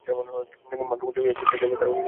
মাত্র গুটিকয়েক বেঁচে আছে, তারাও দুর্বল এবং মৃতপ্রায়।